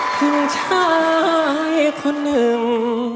ถึงใช้คนหนึ่ง